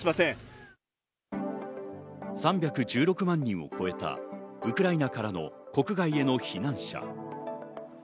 ３１６万人を超えたウクライナからの国外への避難者。